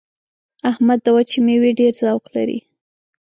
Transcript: احمد د وچې مېوې ډېر ذوق لري.